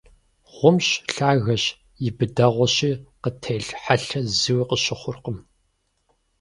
Гъумщ, лъагэщ, и быдэгъуэщи, къытелъ хьэлъэр зыуи къыщыхъуркъым.